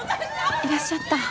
いらっしゃった！